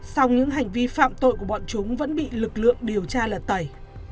song những hành vi phạm tội của bọn chúng vẫn bị lực lượng điều tra lật tẩy